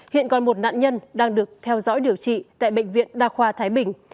hiện còn một nạn nhân đang được theo dõi điều trị tại bệnh viện đa khoa thái bình